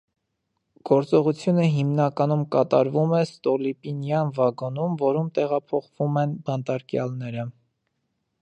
Գործողությունը հիմնականում կատարվում է ստոլիպինյան վագոնում, որում տեղափոխվում են բանտարկյալները։